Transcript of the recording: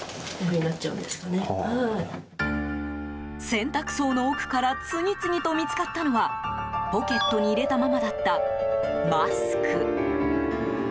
洗濯槽の奥から次々と見つかったのはポケットに入れたままだったマスク。